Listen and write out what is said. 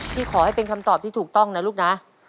ขอให้เป็นคำตอบที่ถูกต้องนะลูกนะ